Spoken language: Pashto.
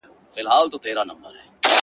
درته یادیږي بېله جنګه د خپل ښار خبري؟٫